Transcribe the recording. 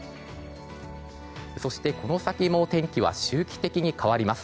そしてこの先も天気は周期的に変わります。